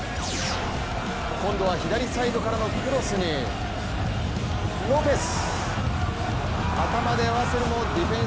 今度は左サイドからのクロスにロペス！